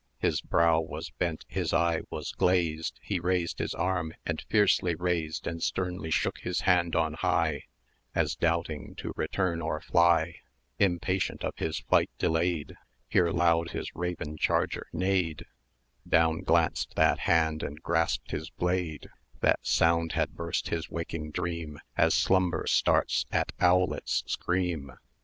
His brow was bent, his eye was glazed; 240 He raised his arm, and fiercely raised, And sternly shook his hand on high, As doubting to return or fly;[cz] Impatient of his flight delayed, Here loud his raven charger neighed Down glanced that hand, and grasped his blade; That sound had burst his waking dream, As Slumber starts at owlet's scream.